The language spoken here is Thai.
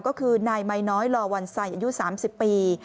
ก็คือนายมัยน้อยลอวันไสอายุ๓๐ปี